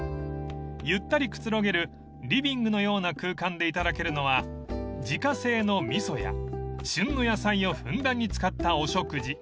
［ゆったりくつろげるリビングのような空間でいただけるのは自家製の味噌や旬の野菜をふんだんに使ったお食事］